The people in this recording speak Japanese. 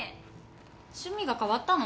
趣味が変わったの？